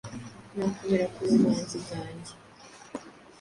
nakomera ku bumanzi bwanjye